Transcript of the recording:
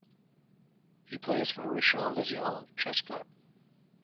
He plays for Rishon LeZion chess club.